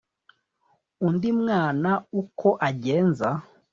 Undi mwana uko agenza